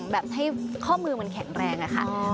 แบบให้ข้อมือมันแข็งแรงอะค่ะ